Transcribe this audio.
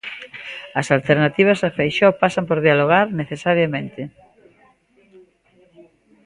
"As alternativas a Feixóo pasan por dialogar necesariamente".